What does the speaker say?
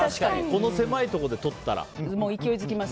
この狭いところで取ったら。